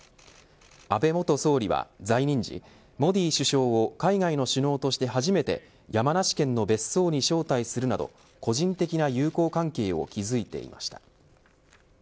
安倍元総理は在任時モディ首相を海外の首脳として初めて山梨県の別荘に招待するなど個人的な友好関係を築いていました。